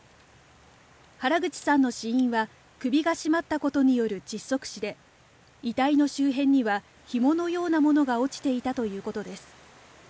原口さんの死因は、首が絞まったことによる窒息死で、遺体の周辺には、ひものようなものが落ちていたということです。